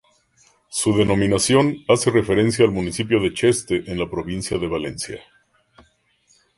Su denominación hace referencia al municipio de Cheste en la provincia de Valencia.